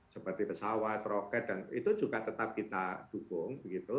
seperti pesawat roket dan itu juga tetap kita dukung